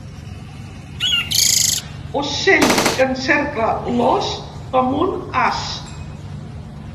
Ocell que encercla l'ós com un as.